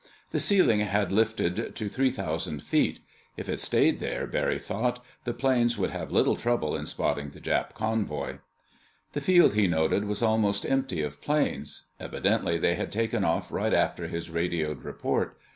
The ceiling had lifted to three thousand feet. If it stayed there, Barry thought, the planes would have little trouble in spotting the Jap convoy. The field, he noted, was almost empty of planes. Evidently they had taken off right after his radioed report.